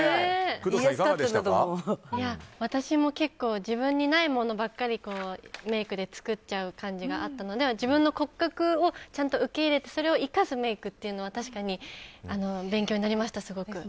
私も自分にないものばっかりメイクで作っちゃう感じがあったのででも、自分の骨格をちゃんと受け入れてそれを生かすメイクって確かに勉強になりました、すごく。